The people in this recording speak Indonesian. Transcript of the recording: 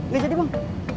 gak jadi bang